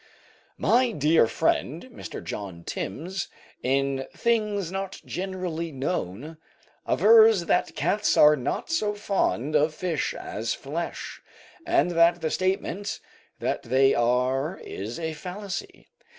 My dear friend, Mr. John Timbs, in "Things not Generally Known," avers that cats are not so fond of fish as flesh, and that the statement that they are is a fallacy.